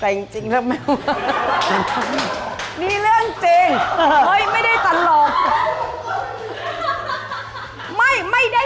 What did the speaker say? เป็นจริงหรือเปล่า